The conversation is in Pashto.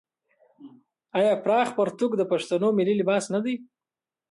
آیا پراخ پرتوګ د پښتنو ملي لباس نه دی؟